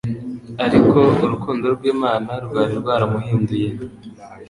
ariko urukundo rw'Imana rwari rwaramuhinduye.